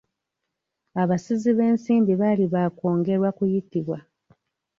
Abasizi b'ensimbi baali bakwongerwa kuyitibwa.